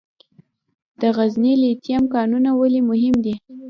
د غزني لیتیم کانونه ولې مهم دي؟